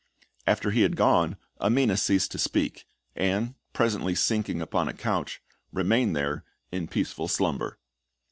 After he had gone, Amina ceased to speak; and, presently sinking upon a couch, remained there in peaceful slumber.